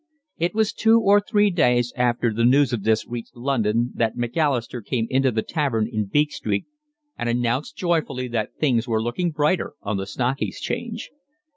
It was two or three days after the news of this reached London that Macalister came into the tavern in Beak Street and announced joyfully that things were looking brighter on the Stock Exchange.